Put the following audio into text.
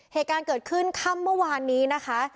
เหตุการณ์เกิดขึ้นค่ำเมื่อวานนี้นะคะ